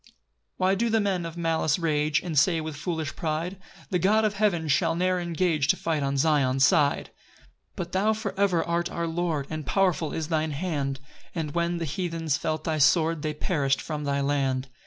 PAUSE. 5 Why do the men of malice rage, And say with foolish pride, "The God of heaven will ne'er engage To fight on Zion's side?" 6 But thou for ever art our Lord; And pow'rful is thine hand, As when the heathens felt thy sword, And perish'd from thy land.